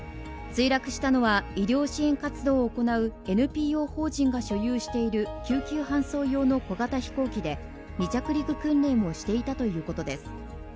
墜落したのは医療支援活動を行うＮＰＯ法人が所有している所有している救急搬送用の小型飛行機で、離着陸訓練をしていたということです。